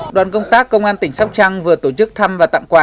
đoàn công tác công an tỉnh sóc trăng vừa tổ chức thăm và tặng quà